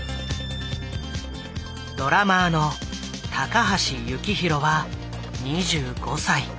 ドラマーの高橋幸宏は２５歳。